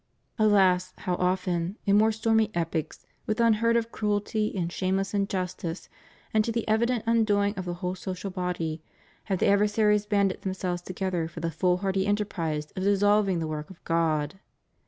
Alas, how often, in more stormy epochs, with unheard of cruelty and shameless injustice, and to the evident undoing of the whole social body, have the ad versaries banded themselves together for the foolhardy enterprise of dissolving the work of God!